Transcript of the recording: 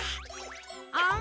あん？